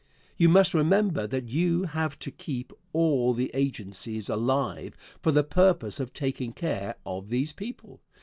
You must remember that you have to keep all the agencies alive for the purpose of taking care of these people.